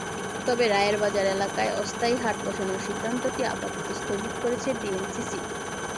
তবে রায়েরবাজার এলাকায় অস্থায়ী হাট বসানোর সিদ্ধান্তটি আপাতত স্থগিত করেছে ডিএনসিসি।